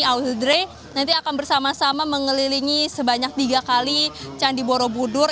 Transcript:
auhidrey nanti akan bersama sama mengelilingi sebanyak tiga kali candi borobudur